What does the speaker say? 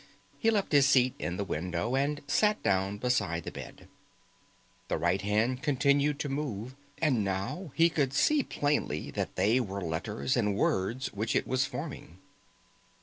He left his seat in the window and sat down beside the bed. The right hand continued to move, and now he could see plainly that they were letters and words which it was forming.